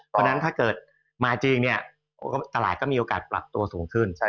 เพราะฉะนั้นถ้าเกิดมาจริงเนี่ยตลาดก็มีโอกาสปรับตัวสูงขึ้น